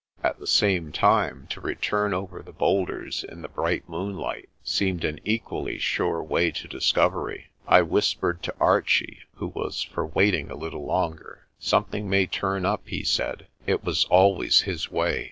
At the same time, to return over the boulders in the bright moonlight seemed an equally sure way to discovery. I whispered to Archie, who was for waiting a little longer. "Something may turn up," he said. It was always his way.